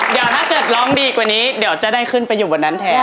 เดี๋ยวถ้าเกิดร้องดีกว่านี้เดี๋ยวจะได้ขึ้นไปอยู่บนนั้นแทน